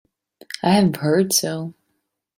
I have heard so.